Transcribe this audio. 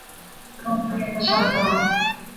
โรงเรียนประชาบาล